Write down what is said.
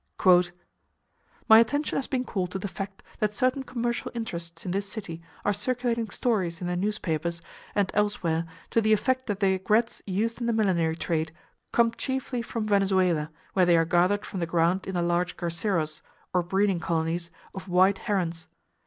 "My attention has been called to the fact that certain commercial interests in this city are circulating stories in the newspapers and elsewhere to the effect that the aigrettes used in the millinery trade come chiefly from Venezuela, where they are gathered from the ground in the large garceros, or breeding colonies, of white herons.